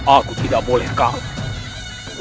aku tidak boleh kalah